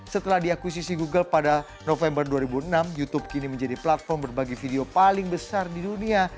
setelah diakuisisi google pada november dua ribu enam youtube kini menjadi platform berbagi video paling besar di dunia